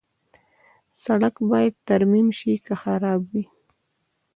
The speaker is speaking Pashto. سړک باید ترمیم شي که خراب وي.